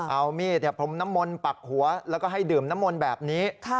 เอามีดพรมน้ำมนต์ปักหัวแล้วก็ให้ดื่มน้ำมนต์แบบนี้